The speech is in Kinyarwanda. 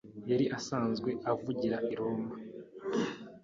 yari asanzwe avugira i Roma